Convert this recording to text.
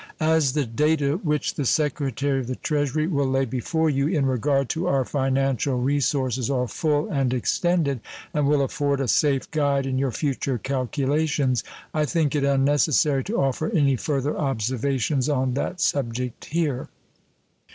As the data which the Secretary of the Treasury will lay before you in regard to our financial resources are full and extended, and will afford a safe guide in your future calculations, I think it unnecessary to offer any further observations on that subject here.